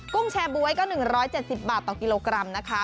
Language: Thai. ุ้งแชร์บ๊วยก็๑๗๐บาทต่อกิโลกรัมนะคะ